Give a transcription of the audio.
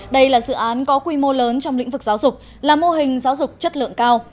đây là dự án có quy mô lớn trong lĩnh vực giáo dục là mô hình giáo dục chất lượng cao